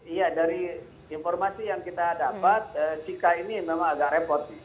iya dari informasi yang kita dapat cika ini memang agak repot